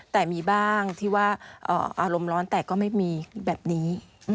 แต่มีบ้างที่ว่าอารมณ์ร้อนแต่ก็ไม่มีแบบนี้